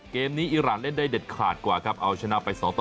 เกมนี้อิราณเล่นได้เด็ดขาดกว่าครับเอาชนะไป๒ต่อ